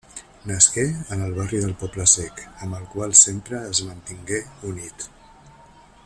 Nasqué en el barri del Poble Sec, amb el qual sempre es mantingué unit.